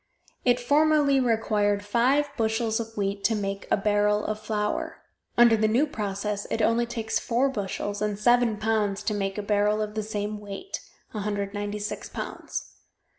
It formerly required five bushels of wheat to make a barrel of flour; under the new process it only takes four bushels and seven pounds to make a barrel of the same weight 196 pounds.